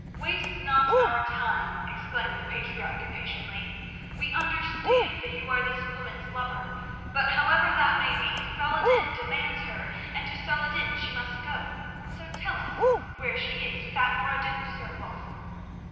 "Waste not our time," exclaimed the patriarch impatiently. "We understand that you are this woman's lover, but however that may be, Saladin demands her, and to Saladin she must go. So tell us where she is without more ado, Sir Wulf."